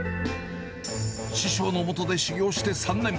師匠の下で修業して３年。